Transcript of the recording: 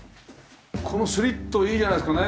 このスリットいいじゃないですかね。